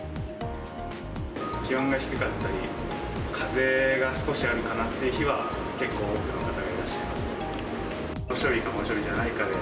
気温が低かったり、風が少しあるかなっていう日は、結構多くの方がいらっしゃいますね。